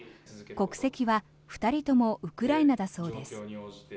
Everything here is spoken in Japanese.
国籍は２人ともウクライナだそうです。